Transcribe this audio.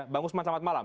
bang usman selamat malam